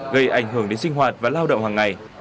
gây ảnh hưởng đến sinh hoạt và lao động hàng ngày